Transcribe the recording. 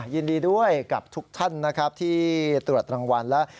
ยินดีด้วยกับทุกท่านนะครับที่ตรวจรางวัลแล้ว